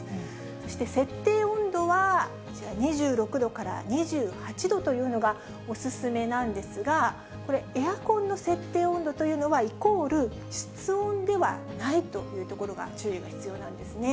そして設定温度はこちら２６度から２８度というのがお勧めなんですが、これ、エアコンの設定温度というのはイコール室温ではないというところが注意が必要なんですね。